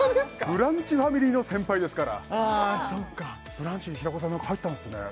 ブランチファミリーの先輩ですから「ブランチに平子さん何か入ったんですね」